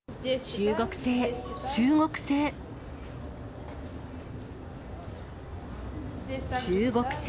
中国製、中国製。